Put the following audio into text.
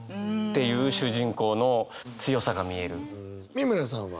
美村さんは？